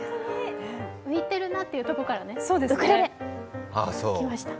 浮いてるなってところからね、ウクレレ、きました。